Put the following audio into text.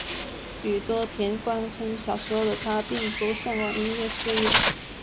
宇多田光称小时候的她并不向往音乐事业。